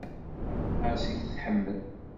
Aṭas i k-tḥemmel.